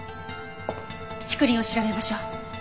竹林を調べましょう。